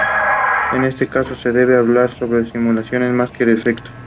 En este caso se debe hablar de simulaciones más que de efectos.